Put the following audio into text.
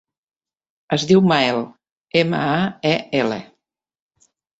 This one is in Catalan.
Es diu Mael: ema, a, e, ela.